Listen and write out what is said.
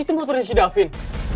itu motornya si davin